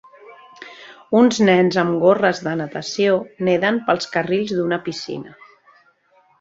Uns nens amb gorres de natació neden pels carrils d'una piscina.